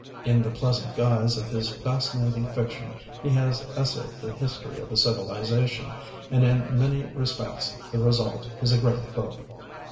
In the pleasant guise of his fascinating fiction he has essayed the history of a civilization, and in many respects the result is a great book.